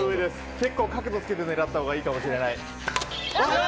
結構、角度をつけて狙ったほうがいいかもしれない。